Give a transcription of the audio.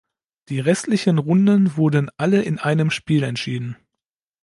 Die restlichen Runden wurden alle in einem Spiel entschieden.